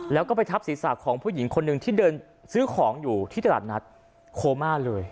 แล้วก็ไปทับศีรษะของผู้หญิงคนหนึ่งที่เดินซื้อของอยู่ที่ตลาดนัดโคม่าเลย